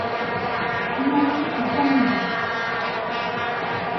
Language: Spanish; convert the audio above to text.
Luis Yanes.